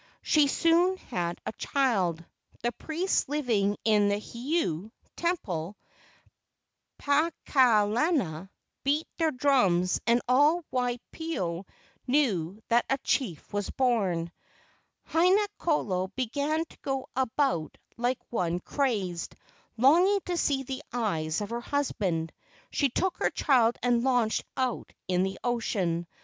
She soon had a child. The priests living in the heiau (temple), Pakaalana, beat their drums, and all Waipio knew that a chief was born. Haina kolo began to go about like one crazed, longing to see the eyes of her husband. She took her child and launched out in the ocean.